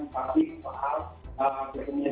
tapi soal kekembangan